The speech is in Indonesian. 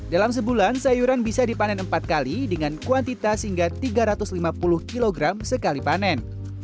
dalam sebulan sayuran bisa dipanen empat kali dengan kuantitas hingga tiga ratus lima puluh kg sekali panen